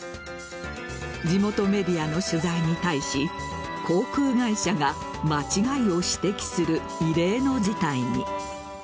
地元メディアの取材に対し航空会社が間違いを指摘する異例の事態に。